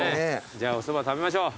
じゃあおそば食べましょう。